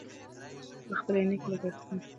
هغه خپلې عینکې له ککرۍ نه سترګو ته ښکته کړې.